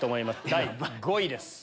第５位です。